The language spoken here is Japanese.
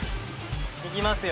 いきますよ。